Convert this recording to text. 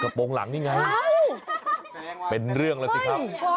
โปรงหลังนี่ไงเป็นเรื่องแล้วสิครับ